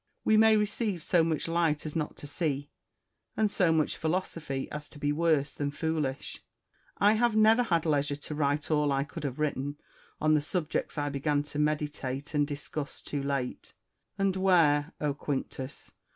We may receive so much light as not to see, and so much philosophy as to be worse than foolish. I have never had leisure to write all I could have written, on the subjects I began to meditate and discuss too late. And where, O Quinctus